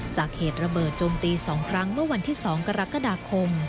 เหตุระเบิดโจมตี๒ครั้งเมื่อวันที่๒กรกฎาคม